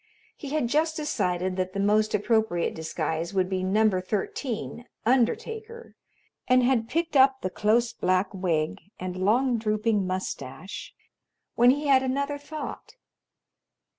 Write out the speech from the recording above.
He had just decided that the most appropriate disguise would be "Number 13, Undertaker," and had picked up the close black wig, and long, drooping mustache, when he had another thought.